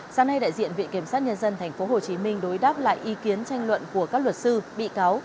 sáng nay đại diện viện kiểm sát nhân dân tp hcm đối đáp lại ý kiến tranh luận của các luật sư bị cáo